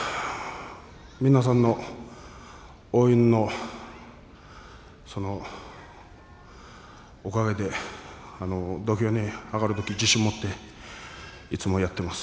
皆さんの応援のそのおかげで土俵に上がるときに自信を持っていつもやっています。